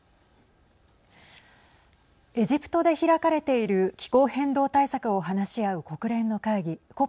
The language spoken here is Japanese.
エジプトで開かれている気候変動対策を話し合う国連の会議